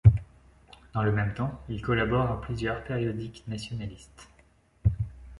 Dans le même temps, il collabore à plusieurs périodiques nationalistes.